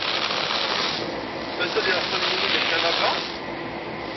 Mazal yeɣs ad yinig ɣer Kanada?